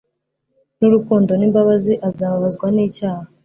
n'urukundo n'imbabazi, azababazwa n'icyaha,